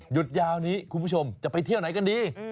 ยาวนี้คุณผู้ชมจะไปเที่ยวไหนกันดี